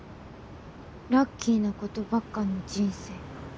ラッキーなことばっかの人生。